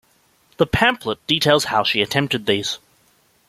The pamphlet details how she attempted these.